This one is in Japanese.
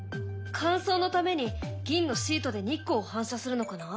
乾燥のために銀のシートで日光を反射するのかな？